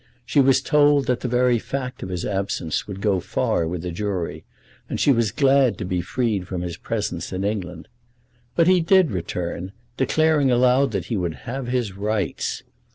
She was told that the very fact of his absence would go far with a jury, and she was glad to be freed from his presence in England. But he did return, declaring aloud that he would have his rights.